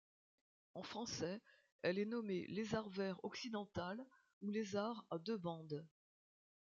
En français elle est nommée Lézard vert occidental ou Lézard à deux bandes.